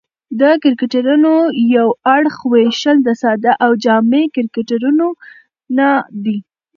د کرکټرونو یو اړخ وېشل د ساده او جامع کرکټرونه دي.